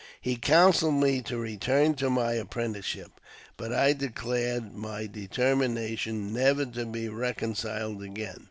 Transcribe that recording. He counselled me to return to my apprenticeship, but I declared my deter mination never to be reconciled again.